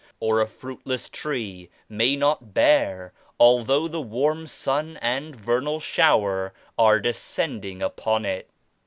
Or a fruitless tree may not bear although the warm sun and vernal shower are descending upon it.